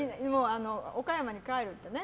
岡山に帰るってね。